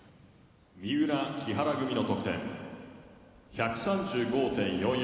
「三浦木原組の得点１３５．４４。